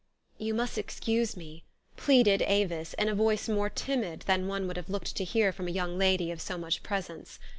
u You must excuse me," pleaded Avis in a voice more timid than one would have looked to hear from a young lady of so much presence.